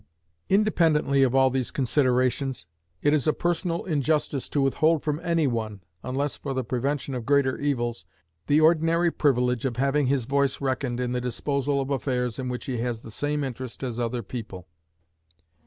Independently of all these considerations, it is a personal injustice to withhold from any one, unless for the prevention of greater evils, the ordinary privilege of having his voice reckoned in the disposal of affairs in which he has the same interest as other people.